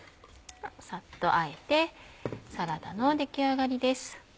サッとあえてサラダの出来上がりです。